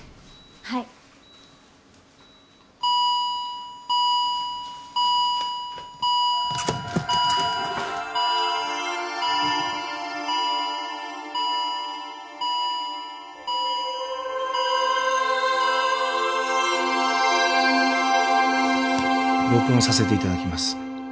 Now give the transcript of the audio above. はい録音させていただきます